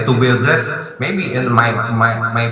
mungkin dalam pandangan saya